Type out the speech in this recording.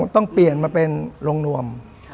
ต้องเปลี่ยนมาเป็นโรงนวม